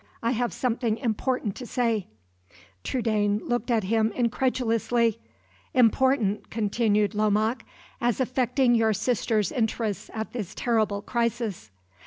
I have something important to say " (Trudaine looked at him incredulously.) "Important," continued Lomaque, "as affecting your sister's interests at this terrible crisis."